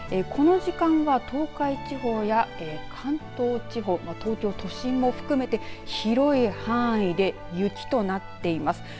この時間は東海地方や関東地方、東京都心も含めて広い範囲で雪となっています。